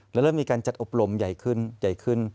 แล้วเริ่มมีการจัดอบรมใหญ่ขึ้นใหญ่ขึ้น